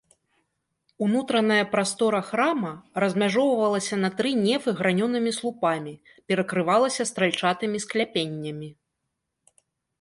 Унутраная прастора храма размяжоўвалася на тры нефы гранёнымі слупамі, перакрывалася стральчатымі скляпеннямі.